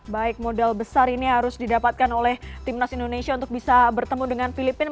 baik modal besar ini harus didapatkan oleh timnas indonesia untuk bisa bertemu dengan filipina